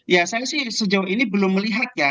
ya saya sih sejauh ini belum melihat ya